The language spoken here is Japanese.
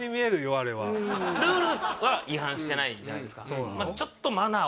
あれはルールは違反してないじゃないですかそうなの？